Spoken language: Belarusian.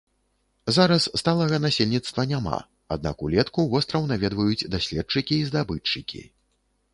Зараз сталага насельніцтва няма, аднак улетку востраў наведваюць даследчыкі і здабытчыкі.